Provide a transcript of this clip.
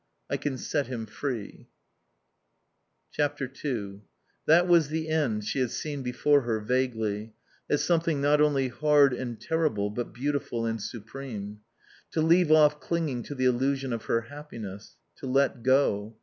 "I can set him free." ii That was the end she had seen before her, vaguely, as something not only hard and terrible, but beautiful and supreme. To leave off clinging to the illusion of her happiness. To let go.